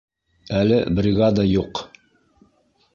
Әле бригада юҡ?